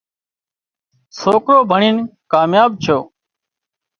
سوڪرو ڀڻين ڪامياب ڇو